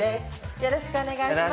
よろしくお願いします。